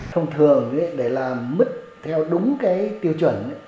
thông thường để làm mứt theo đúng tiêu chuẩn